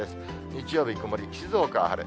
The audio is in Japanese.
日曜日曇り、静岡は晴れ。